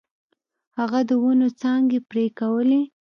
هغه د ونو څانګې پرې کولې.